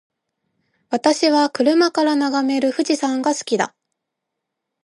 私は車から眺める富士山が好きだ。